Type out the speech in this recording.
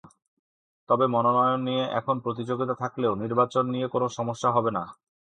তবে মনোনয়ন নিয়ে এখন প্রতিযোগিতা থাকলেও নির্বাচনে কোনো সমস্যা হবে না।